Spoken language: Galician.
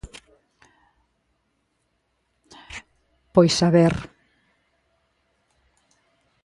Pois a ver.